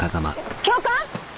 教官！？